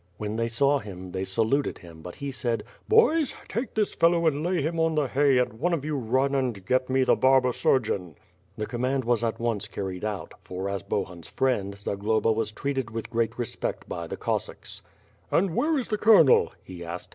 When they saw him, they saluted him, but he said: *'Fioys, take this fellow and lay him on the hay and one of you run and get me the barber surgeon." The command was at once carried out, for as Bohun's friend, Zaa^loba was treated with great respect by the Cossacks. "And where is the colonel?" he asked.